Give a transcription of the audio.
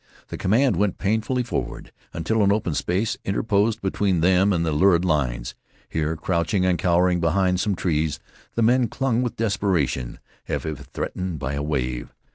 The command went painfully forward until an open space interposed between them and the lurid lines. Here, crouching and cowering behind some trees, the men clung with desperation, as if threatened by a wave.